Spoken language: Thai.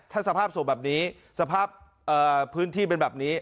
ถ้าสภาพศพแบบนี้สภาพพื้นที่เป็นแบบนี้